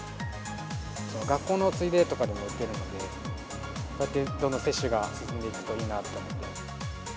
学校のついでとかでも打てるので、こうやってどんどん接種が進んでいくといいなって思ってます。